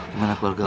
gimana keluarga lo